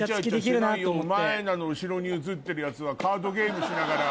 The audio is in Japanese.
お前らの後ろに映ってるヤツはカードゲームしながら。